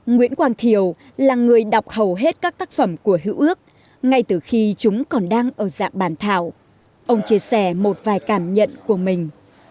nguyễn quang thiều là người đọc hầu hết các tác phẩm của hữu ước ngay từ khi chúng còn đang ở dạng bản thảo ông chia sẻ một vài cảm nhận của mình